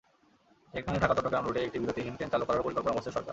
সেখানে ঢাকা-চট্টগ্রাম রুটে একটি বিরতিহীন ট্রেন চালু করারও পরিকল্পনা করছে সরকার।